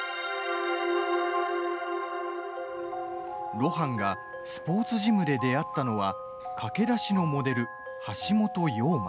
露伴がスポーツジムで出会ったのは駆け出しのモデル・橋本陽馬。